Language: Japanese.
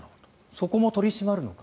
そこも取り締まるのか。